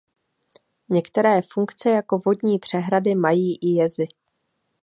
Některé funkce jako vodní přehrady mají i jezy.